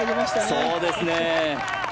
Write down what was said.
そうですね。